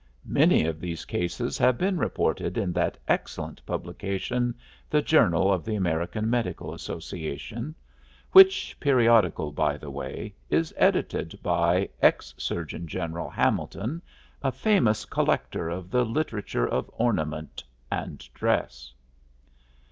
Many of these cases have been reported in that excellent publication, the "Journal of the American Medical Association," which periodical, by the way, is edited by ex Surgeon General Hamilton, a famous collector of the literature of ornament and dress.